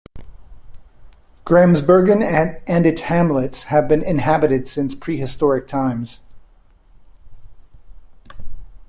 Gramsbergen and its hamlets have been inhabited since pre-historic times.